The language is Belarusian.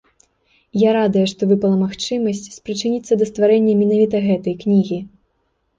Я радая, што выпала магчымасць спрычыніцца да стварэння менавіта гэтай кнігі.